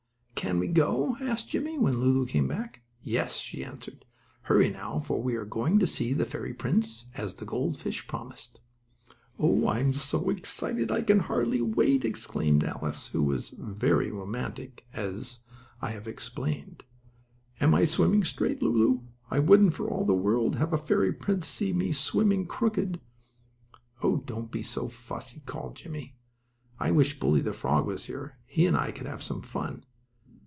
"Can we go?" asked Jimmie, when Lulu came back. "Yes," she answered. "Hurry now, for we are going to see the fairy prince, as the gold fish promised." "Oh, I'm so excited I can hardly wait!" exclaimed Alice, who was quite romantic, as I have explained. "Am I swimming straight, Lulu? I wouldn't for all the world, have a fairy prince see me swimming crooked." "Oh, don't be so fussy!" called out Jimmie. "I wish Bully, the frog was here. He and I could have some fun."